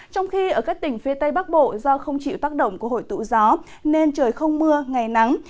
trong khi ở các tỉnh phía tây bắc bộ do không chịu tác động của hội tụ gió nên trời không mưa ngày nắng